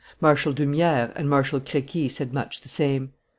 Marshal d'Humieres and Marshal Crequi said much the same.